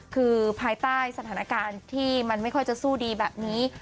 คือภายใต้สถานการณ์ที่มันไม่ค่อยจะสู้ดีแบบนี้